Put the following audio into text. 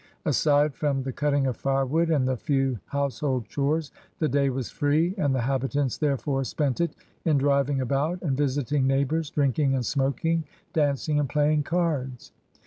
Aside from the cutting of firewood and the few house hold chores the day was free, and the habitants therefore spent it in driving about and visiting neighbors, drinking and smoking, dancing and playing cards.